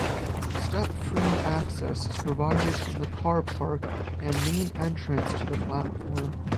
Step-free access is provided from the car park and main entrance to the platform.